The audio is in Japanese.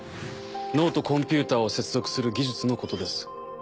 脳とコンピューターを接続する技術のことです。